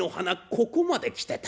ここまで来てた。